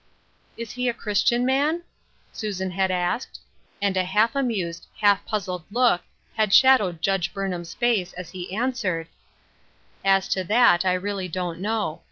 "Is he a Christian man ?" Susan had asked ; and a half amused, half puzzled look had shad owed Judge Burnham's face, as he answered :" As to that, I really don't know.